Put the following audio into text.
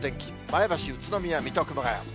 前橋、宇都宮、水戸、熊谷。